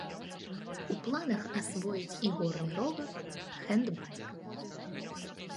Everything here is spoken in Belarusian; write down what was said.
У планах асвоіць і горны ровар, хэндбайк.